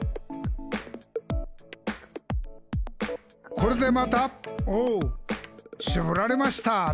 「これでまたおうしぼられましたね」